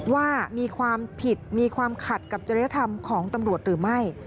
ว่ามีความผิดมีความขัดกับจริยธรรมของตำรวจหรือไม่